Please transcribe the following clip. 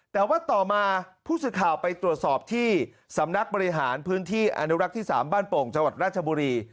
แต่ว่าต่อมาผู้สื่อข่าวไปตรวจสอบที่สำนักบริหารพื้นที่อนุรักษ์ที่๓บ้านโป่งจังหวัดราชบุรี